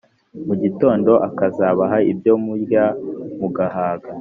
mu gitondo akazabaha ibyo murya mugahaga